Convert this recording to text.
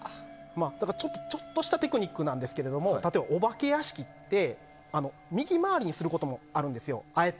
ちょっとしたテクニックなんですが例えば、お化け屋敷って右回りにすることもあるんですよ。